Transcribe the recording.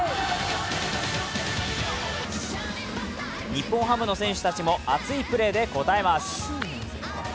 日本ハムの選手たちも熱いプレーで応えます。